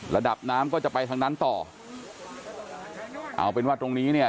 ระดับน้ำก็จะไปทางนั้นต่อเอาเป็นว่าตรงนี้เนี่ย